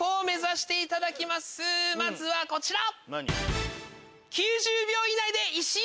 まずはこちら。